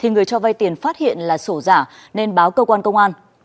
người cho vay tiền phát hiện là sổ giả nên báo cơ quan công an